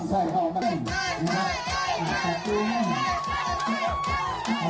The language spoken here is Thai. แห่งงาน